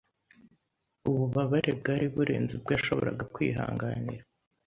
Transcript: Ububabare bwari burenze ubwo yashoboraga kwihanganira.